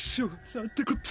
なんてこった。